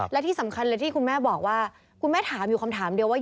และที่สำคัญเลยที่คุณแม่บอกว่าคุณแม่ถามอยู่คำถามเดียวว่า